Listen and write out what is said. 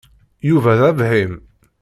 Yuba d abhim.